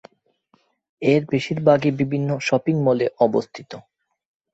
এর বেশিরভাগই বিভিন্ন শপিং মলে অবস্থিত।